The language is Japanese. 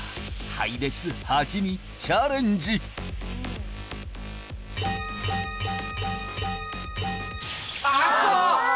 配列８にチャレンジあークソ！